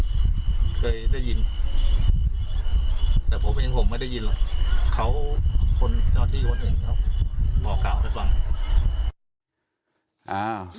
แต่ผมเองผมไม่ได้ยินหรอกเค้าคนชอบที่คนเองเค้าบอกกล่าวให้บอก